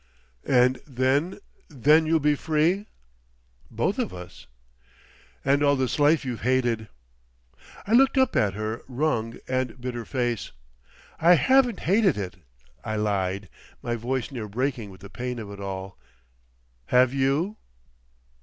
"And then—then you'll be free?" "Both of us." "And all this life you've hated" I looked up at her wrung and bitter face. "I haven't hated it," I lied, my voice near breaking with the pain of it all. "Have you?"